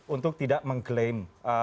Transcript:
untuk tidak mengklaim